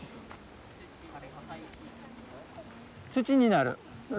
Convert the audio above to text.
土になる。